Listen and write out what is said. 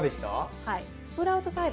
はい。